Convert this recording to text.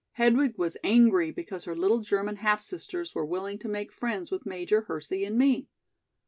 Hedwig was angry because her little German half sisters were willing to make friends with Major Hersey and me.